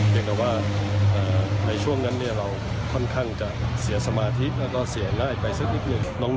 อย่างแต่ว่าในช่วงนั้นเราค่อนข้างจะเสียสมาธิแล้วก็เสียง่ายไปสักนิดหนึ่ง